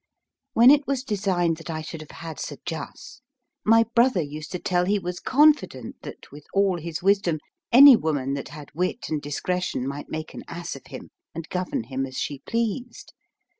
When it was designed that I should have had Sir Jus., my brother used to tell he was confident that, with all his wisdom, any woman that had wit and discretion might make an ass of him, and govern him as she pleased.